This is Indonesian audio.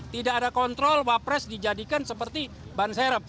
tidak ada kontrol wapres dijadikan seperti ban serep